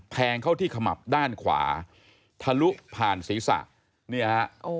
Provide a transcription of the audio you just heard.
แทงเข้าที่ขมับด้านขวาทะลุผ่านศีรษะเนี่ยฮะ